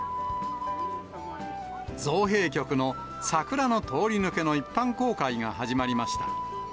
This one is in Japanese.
造幣局の桜の通り抜けの一般公開が始まりました。